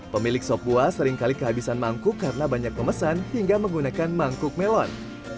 pemilik sop buah seringkali kehabisan mangkuk karena banyak pemesan hingga menggunakan mangkuk melon